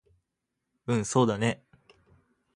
うんそうだね